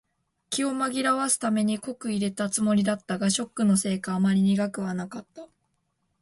気を紛らわすために濃く淹れたつもりだったが、ショックのせいかあまり苦くは感じなかった。